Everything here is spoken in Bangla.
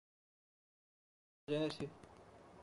আমার যা জানার তা জেনেছি।